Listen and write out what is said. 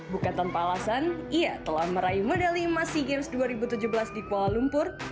bukan tanpa alasan ia telah meraih medali emas sea games dua ribu tujuh belas di kuala lumpur